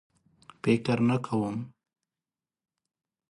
فکر نه کوم.